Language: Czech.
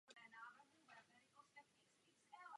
Její bratři a matka vdova pro ni hledali výhodný svazek.